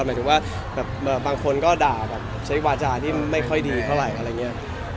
หมายถึงว่าแบบบางคนก็ด่าแบบใช้วาจาที่ไม่ค่อยดีเท่าไหร่อะไรอย่างนี้